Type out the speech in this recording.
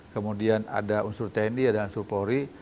kemudian ada unsur tni ada unsur polri